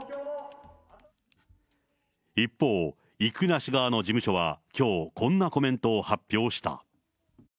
一方、生稲氏側の事務所はきょう、こんなコメントを発表した。